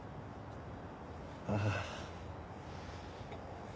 ああ。